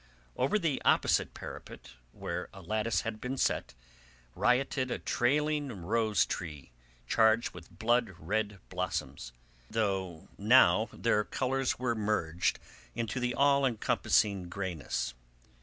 Over the opposite parapet, where a lattice had been set, rioted a trailing rose tree charged with blood red blossoms, though now their colours were merged into the all encompassing greyness.